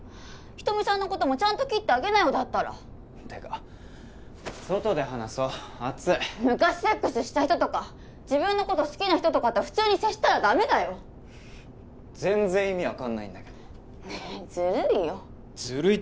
ひとみさんのこともちゃんと切ってあげなよだったらってか外で話そう暑い昔セックスした人とか自分のこと好きな人とかと普通に接してたらダメだよ全然意味分かんないんだけどねえずるいよずるいって何？